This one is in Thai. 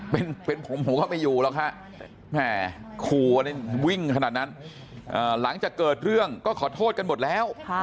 เป็นผมก็ไม่อยู่แล้วค่ะคู่วิ่งขนาดนั้นหลังจากเกิดเรื่องก็ขอโทษกันหมดแล้ว